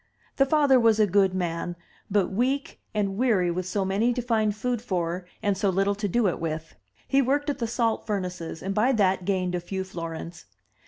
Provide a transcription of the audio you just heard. The father was a good man, but weak and weary with so 286 THE TREASURE CHEST many to find food for and so little to do it with. He worked at the salt furnaces, and by that gained a few florins.